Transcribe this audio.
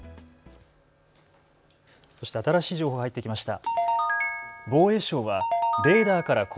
そして新しい情報が入ってきました。